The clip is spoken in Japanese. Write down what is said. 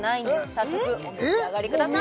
早速お召し上がりください